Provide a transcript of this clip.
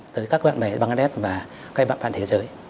tới các bạn bè bangladesh và các bạn trên thế giới